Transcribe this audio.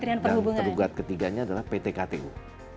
dan tergugat ketiganya adalah pt ktu